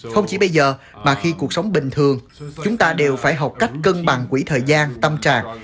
không chỉ bây giờ mà khi cuộc sống bình thường chúng ta đều phải học cách cân bằng quỹ thời gian tâm trạng